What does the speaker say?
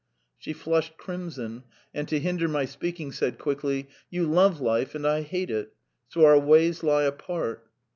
!" She flushed crimson, and to hinder my speaking, said quickly: "You love life, and I hate it. So our ways lie apart."